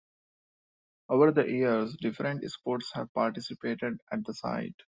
Over the years different sports have participated at the site.